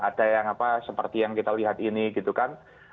ada yang apa seperti yang kita lihat ini gitu kan